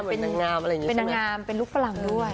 เจ้าจานเป็นนางงามเป็นลูกฝรั่งด้วย